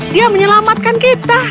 dia menyelamatkan kita